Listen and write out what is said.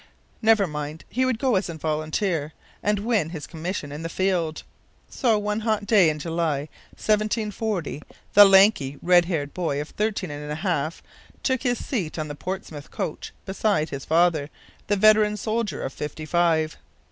Never mind! He would go as a volunteer and win his commission in the field. So, one hot day in July 1740, the lanky, red haired boy of thirteen and a half took his seat on the Portsmouth coach beside his father, the veteran soldier of fifty five.